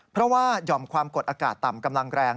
เพราะว่าหย่อมความกดอากาศต่ำกำลังแรง